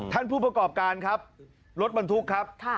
ผู้ประกอบการครับรถบรรทุกครับ